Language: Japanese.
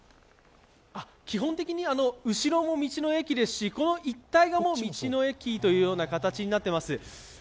基本的に後ろも道の駅ですし、この一帯がもう道の駅という形になっています。